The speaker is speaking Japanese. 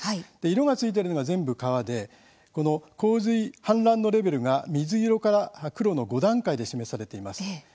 色がついているのは全部川で洪水、氾濫のレベルが水色から黒の５段階で示されています。